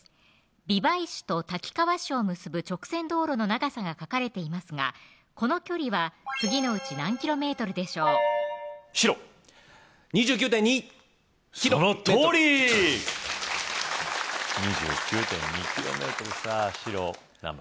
美唄市と滝川市を結ぶ直線道路の長さが書かれていますがこの距離は次のうち何ｋｍでしょう白２９．２そのとおり２９．２ｋｍさぁ白何番？